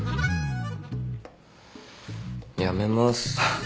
辞めます。